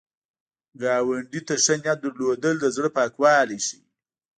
ګاونډي ته ښه نیت لرل، د زړه پاکوالی ښيي